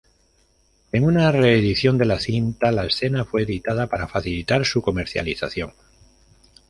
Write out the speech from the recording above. En una reedición de la cinta, la escena fue editada para facilitar su comercialización.